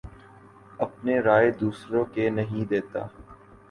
اپنے رائے دوسروں کے نہیں دیتا